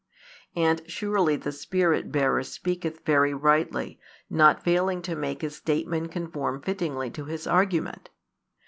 And surely the Spirit bearer speaketh very rightly, not failing to make his statement conform fittingly to his argument.